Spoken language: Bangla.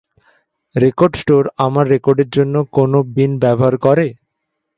রেকর্ড স্টোর আমার রেকর্ডের জন্য কোন বিন ব্যবহার করে?